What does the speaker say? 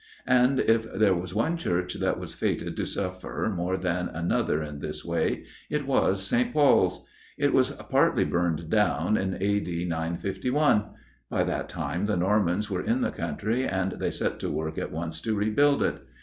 And if there was one church that was fated to suffer more than another in this way, it was St. Paul's. It was partly burned down in A.D. 951. By that time the Normans were in the country, and they set to work at once to rebuild it.